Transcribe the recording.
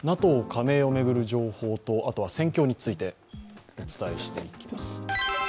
ＮＡＴＯ加盟を巡る情報と、あとは戦況についてお伝えしていきます。